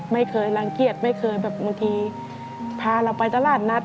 ไม่เคยรังเกียจไม่เคยแบบบางทีพาเราไปตลาดนัด